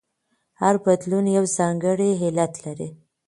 هر بدلون یو ځانګړی علت لري.